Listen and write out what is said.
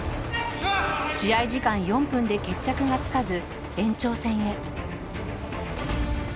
試合時間４分で決着がつかず延長戦へ。